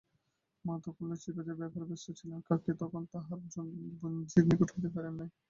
মা তখন লুচিভাজা-ব্যাপারে ব্যস্ত ছিলেন, কাকী তখনো তাঁহার বোনঝির নিকট হইতে ফেরেন নাই।